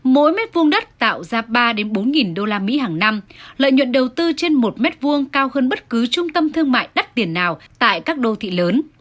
mỗi mét vuông đất tạo ra ba bốn nghìn đô la mỹ hàng năm lợi nhuận đầu tư trên một mét vuông cao hơn bất cứ trung tâm thương mại đắt tiền nào tại các đô thị lớn